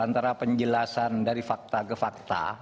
antara penjelasan dari fakta ke fakta